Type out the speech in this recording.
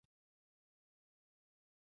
له ملګرو سره وخت تېرول د خوښۍ راز دی.